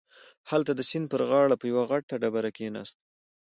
هلته د سيند پر غاړه په يوه غټه ډبره کښېناسته.